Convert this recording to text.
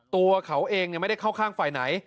ตัวเขาเองไม่ได้เข้าข้างฝ่ายไหน